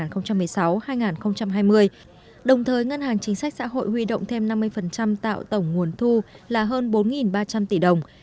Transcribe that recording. đồng thời ngân hàng chính sách xã hội huy động thêm năm mươi tạo tổng nguồn thu là hơn bốn ba trăm linh tỷ đồng